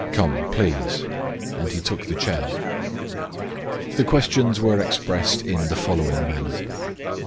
Come, please." And he took the chair. The questions were expressed in the following manner.